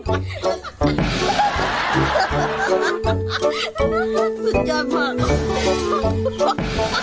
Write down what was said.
สุดยอดมาก